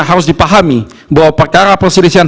harus dipahami bahwa perkara perselisihan